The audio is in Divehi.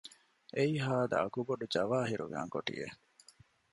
އެއީ ހާދަ އަގުބޮޑު ޖަވާހިރުގެ އަނގޮޓިއެއް